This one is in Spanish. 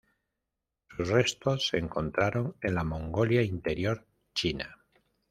Sus restos se encontraron en la Mongolia Interior, China.